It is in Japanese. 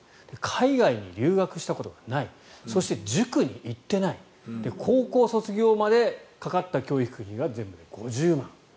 海外に留学したことがない塾に通っていない高校卒業までかかった教育費が全部で５０万。